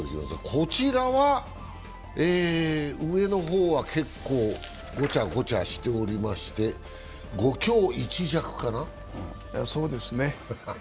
こちらは上の方は結構ごちゃごちゃしておりまして、５強１弱かな？